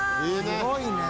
すごいね。